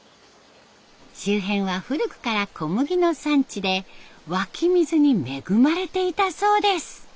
周辺は古くから小麦の産地で湧き水に恵まれていたそうです。